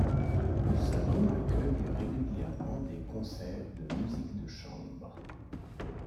Le salon accueille régulièrement des concerts de musique de chambre.